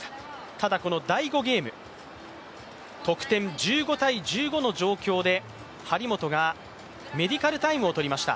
ただ第５ゲーム、得点１５−１５の状況で張本がメディカルタイムを取りました。